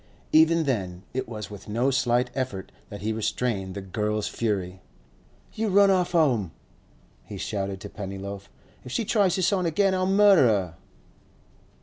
Even then it was with no slight effort that he restrained the girl's fury. 'You run off 'ome!' he shouted to Pennyloaf. 'If she tries this on again, I'll murder her!